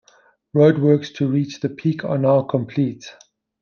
Roadworks to reach the peak are now complete.